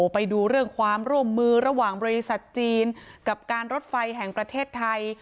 ไปดูเรื่องความร่วมมือระหว่างบริษัทจีนกับการรถไฟแห่งประเทศไทย